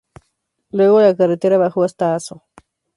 Luego, la carretera bajó hasta Asso.